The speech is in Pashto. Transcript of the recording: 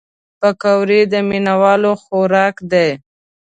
پکورې د مینهوالو خوراک دی